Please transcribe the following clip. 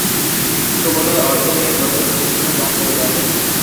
সমুদয় অর্থ তিনি ধর্মীয় প্রতিষ্ঠানে দান করে দেন।